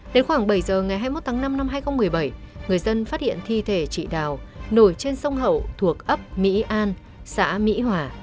đến khoảng bảy giờ ngày hai mươi một tháng năm năm hai nghìn một mươi bảy người dân phát hiện thi thể chị đào nổi trên sông hậu thuộc ấp mỹ an xã mỹ hòa